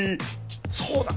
そうだ！